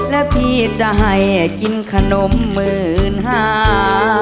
และพี่จะให้กินขนมหมื่นห้า